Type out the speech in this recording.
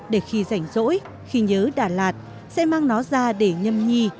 để khi rảnh rỗi khi nhớ đà lạt sẽ mang nó ra để nhằm nhì